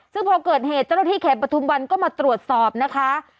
ซึ่งพอเกิดเหตุเจ้าหน้าที่เขตประทุมวันก็มาตรวจสอบนะคะ